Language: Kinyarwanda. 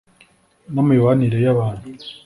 no mu mibanire ya bantu